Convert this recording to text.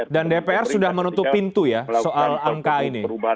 dan dpr sudah menutup pintu ya soal angka ini